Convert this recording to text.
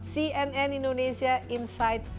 cnn indonesia insight